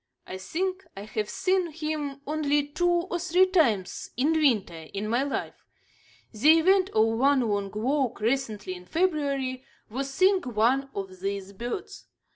I think I have seen him only two or three times in winter in my life. The event of one long walk, recently, in February, was seeing one of these birds.